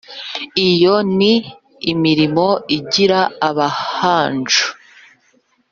iyo ni imirimo igira abahanju